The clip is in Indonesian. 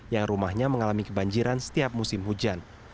yang rumahnya mengalami kebanjiran setiap musim hujan